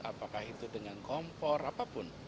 apakah itu dengan kompor apapun